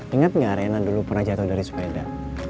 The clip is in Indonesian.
ingat gak rena dulu pernah jatuh dari sepeda